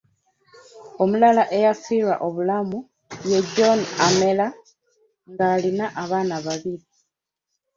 Omulala eyafiirwa obulamu ye John Amera, ng’alina abaana babiri .